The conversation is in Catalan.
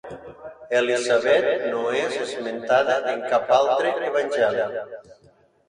Elisabet no és esmentada en cap altre evangeli.